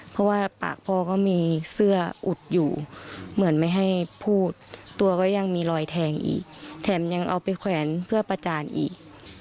เพราะว่าปากพ่อก็มีเสื้ออุดอยู่เหมือนไม่ให้พูดตัวก็ยังมีรอยแทงอีกแถมยังเอาไปแขวนเพื่อประจานอีก